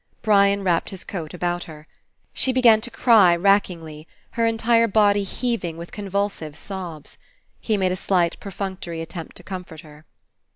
Brian wrapped his coat about her. She began to cry rackingly, her en tire body heaving with convulsive sobs. He made a slight perfunctory attempt to comfort her.